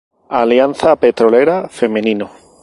Alianza Petrolera Femenino